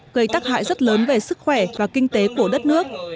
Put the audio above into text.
gây tắc hại rất lớn về sức khỏe và kinh tế của đất nước